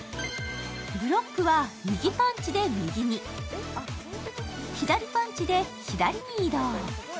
ブロックは右パンチで右に、左パンチで左に移動。